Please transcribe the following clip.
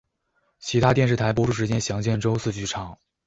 其他电视台播出时间详见周四剧场。